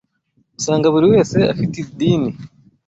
Usanga buri wese afite idini